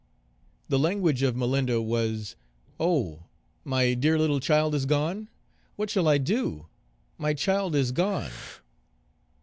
The language of Malinda was, "Oh! my dear little child is gone? What shall I do? my child is gone."